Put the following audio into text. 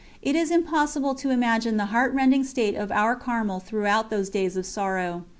It is impossible to imagine the heartrending state of our Carmel throughout those days of sorrow.